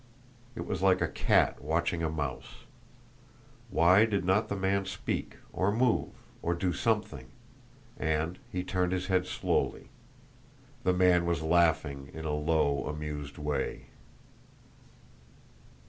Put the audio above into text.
It was like a cat watching a mouse. Why did not the man speak, or move, or do something, and He turned his head slowly; the man was laughing in a low, amused way.